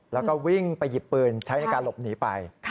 แล้วก็วิ่งไปหยิบปืนใช้ในการหลบหนีไป